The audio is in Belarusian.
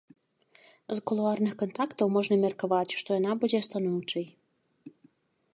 З кулуарных кантактаў можна меркаваць, што яна будзе станоўчай.